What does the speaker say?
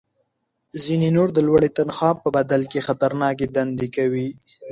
ځینې نور د لوړې تنخوا په بدل کې خطرناکې دندې کوي